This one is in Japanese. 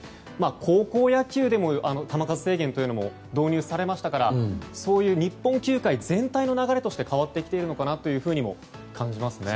高校野球でも球数制限が導入されましたからそういう日本球界全体の流れとして変わってきているのかなとも感じますね。